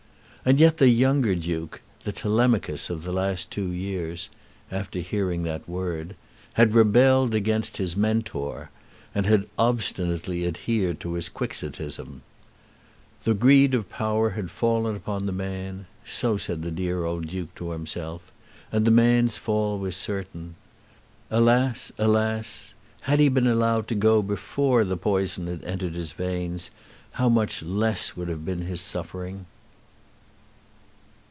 And yet the younger Duke, the Telemachus of the last two years, after hearing that word, had rebelled against his Mentor, and had obstinately adhered to his Quixotism! The greed of power had fallen upon the man, so said the dear old Duke to himself, and the man's fall was certain. Alas, alas; had he been allowed to go before the poison had entered his veins, how much less would have been his suffering!